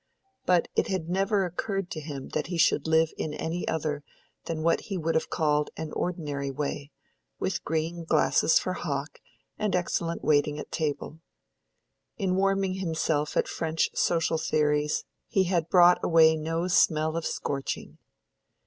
But it had never occurred to him that he should live in any other than what he would have called an ordinary way, with green glasses for hock, and excellent waiting at table. In warming himself at French social theories he had brought away no smell of scorching.